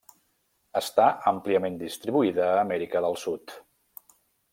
Està àmpliament distribuïda a Amèrica del Sud.